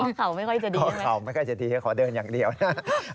ออกเข่าไม่ค่อยจะดีไหมออกเข่าไม่ค่อยจะดีขอเดินอย่างเดียวนะ